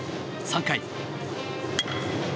３回。